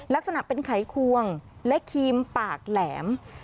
ลักษณะเป็นไขควงและครีมปากแหลม